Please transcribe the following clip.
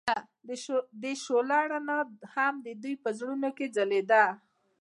د شعله رڼا هم د دوی په زړونو کې ځلېده.